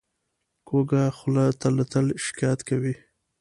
کوږه خوله تل شکایت کوي